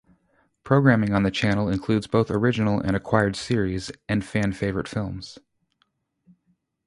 Programming on the channel includes both original and acquired series, and fan favorite films.